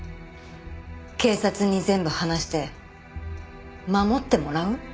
警察に全部話して守ってもらう？